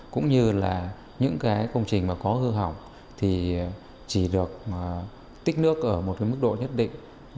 cũng như là những công trình có hư hỏng thì chỉ được tích nước ở một mức độ nhất định